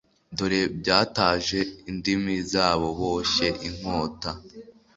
dore batyaje indimi zabo boshye inkota